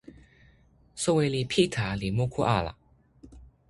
soweli Pita li moku ala.